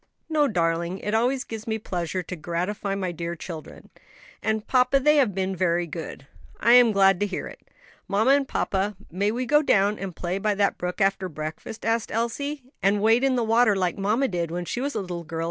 "No, darling; it always gives me pleasure to gratify my dear children. And, papa, they have been very good." "I am glad to hear it." "Mamma and papa, may we go down and play by that brook after breakfast?" asked Elsie. "And wade in the water like mamma did when she was a little girl?"